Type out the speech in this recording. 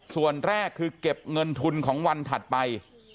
ส่วนแรกคือเก็บเงินทุนของวันถัดไป